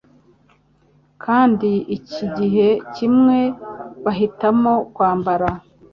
Kandi ikindi gihe kimwe bahitamo kwambara